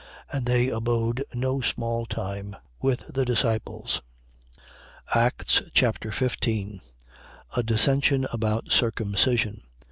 14:27. And they abode no small time with the disciples. Acts Chapter 15 A dissension about circumcision.